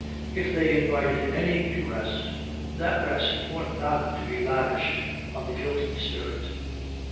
If they invited any to rest, that rest ought not to be lavished on the guilty spirit."